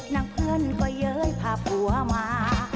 เพื่อนก็เย้ยพาผัวมา